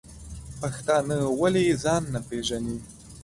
پښتانه ولی ځان نه پیژنی؟